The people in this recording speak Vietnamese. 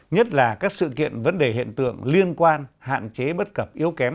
nhất là các sự kiện vấn đề hiện tượng liên quan hạn chế bất cập yếu kém